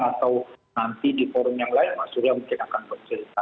atau nanti di forum yang lain mas surya mungkin akan bercerita